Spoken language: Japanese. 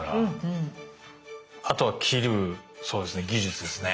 あとは切る技術ですね。